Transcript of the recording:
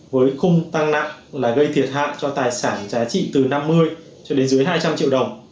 với khung tăng nặng là gây thiệt hại cho tài sản giá trị từ năm mươi cho đến dưới hai trăm linh triệu đồng